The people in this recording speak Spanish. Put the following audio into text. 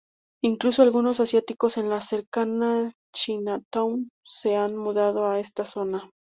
Incluso algunos asiáticos de la cercana Chinatown se han mudado a esta zona.